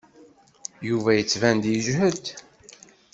Yuba yettban-d yejhed.